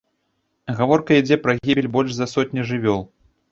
Гаворка ідзе пра гібель больш за сотні жывёл.